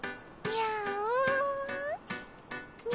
にゃおん！